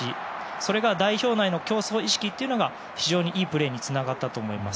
それが代表内の競争意識が非常にいいプレーにつながったと思います。